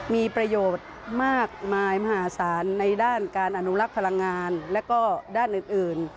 มีประโยชน์มากมายมหาศาลในด้านการอนุรักษ์พลังงานและก็ด้านอื่น